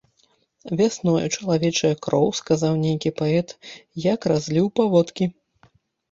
Вясною чалавечая кроў, сказаў нейкі паэт, як разліў паводкі.